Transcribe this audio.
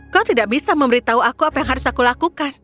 kau tidak bisa memberitahu aku apa yang harus aku lakukan